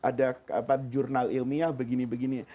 ada jurnal ilmiah begini begini